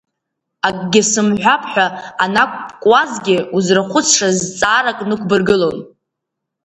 Акгьы сымҳәап ҳәа анақәбкуазгьы, узырхәыцшаз зҵаарак нықәбыргылон.